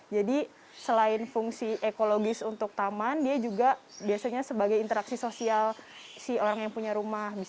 jadi selain fungsi ekologis untuk taman dia juga biasanya sebagai interaksi sosial si orang yang punya rumah